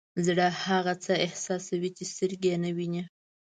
زړه هغه څه احساسوي چې سترګې یې نه ویني.